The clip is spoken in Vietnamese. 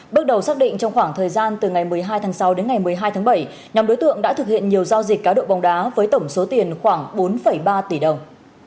bước đầu xác định trong khoảng thời gian từ ngày một mươi hai tháng sáu đến ngày một mươi hai tháng bảy nhóm đối tượng đã thực hiện nhiều giao dịch cá độ bóng đá với tổng số tiền khoảng bốn ba tỷ đồng